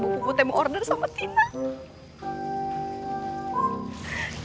eh tinah tinah